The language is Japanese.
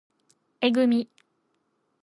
えぐみ